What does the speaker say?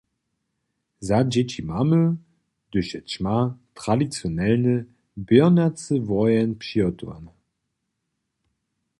Za dźěći mamy, hdyž je ćma, tradicionalny běrnjacy woheń spřihotowany.